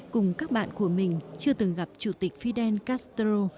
cùng các bạn của mình chưa từng gặp chủ tịch fidel castro